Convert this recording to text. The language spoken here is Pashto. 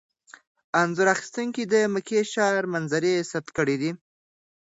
انځور اخیستونکي د مکې ښاري منظرې ثبت کړي.